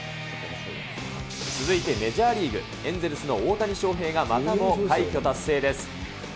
続いてメジャーリーグ・エンゼルスの大谷翔平がまたも快挙達成です。